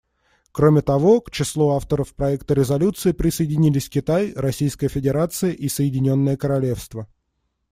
Кроме того, к числу авторов проекта резолюции присоединились Китай, Российская Федерация и Соединенное Королевство.